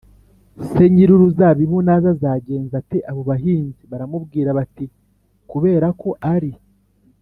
se nyir uruzabibu naza azagenza ate abo bahinzi Baramubwira bati kubera ko ari